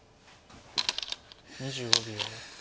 ２５秒。